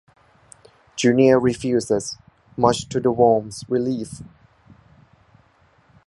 Junior refuses, much to the worm's relief.